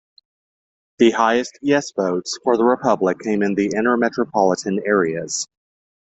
The highest "Yes" votes for the republic came from the inner metropolitan areas.